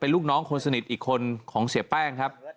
ลูกน้องคนสนิทอีกคนของเสียแป้งครับ